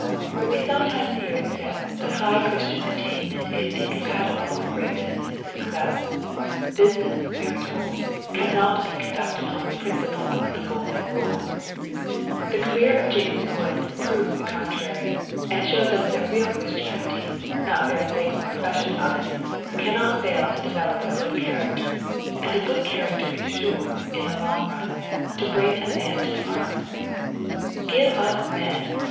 We sometimes hear it said that high Christian attainment is incompatible with great business success; business, we are told, cannot be conducted on the principles of the Golden Rule. The career of James Wood proves the contrary, and shows us that real Christianity, not a Pharisaical profession of it, cannot fail to develop a good character; and a good character is sure, in the long run, to bring a man to the front. "Give us men!